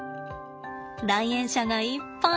来園者がいっぱい。